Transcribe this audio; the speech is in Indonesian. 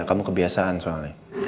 kamu kebiasaan soalnya